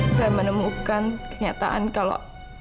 saya menemukan kenyataan kalau